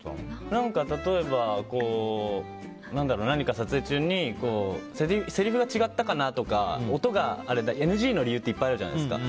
例えば、何か撮影中にせりふが違ったかなとかＮＧの理由っていっぱいあるじゃないですか。